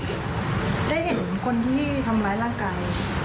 ได้เห็นคนที่ทำร้ายร่างกาย